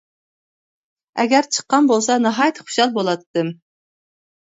ئەگەر چىققان بولسا ناھايىتى خۇشال بولاتتىم!